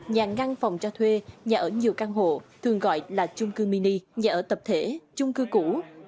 nhà ngăn phòng cho thuê nhà ở nhiều căn hộ thường gọi là chung cư mini nhà ở tập thể chung cư cũ